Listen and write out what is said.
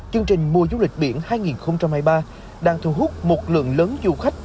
chương trình mùa du lịch biển hai nghìn hai mươi ba đang thu hút một lượng lớn du khách